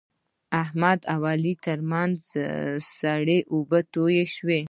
د احمد او علي ترمنځ سړې اوبه تویې شوې.